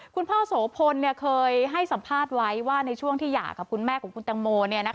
คุณพ่อโสพลเคยให้สัมภาษณ์ไว้ว่าในช่วงที่หย่ากับคุณแม่ของคุณตังโม